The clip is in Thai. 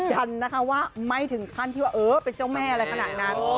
ยันนะคะว่าไม่ถึงขั้นที่ว่าเออเป็นเจ้าแม่อะไรขนาดนั้น